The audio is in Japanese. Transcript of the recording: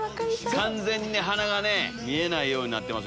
完全に鼻がね見えないようになってます。